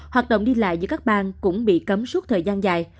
hoạt động đi lại giữa các bang cũng bị cấm suốt thời gian dài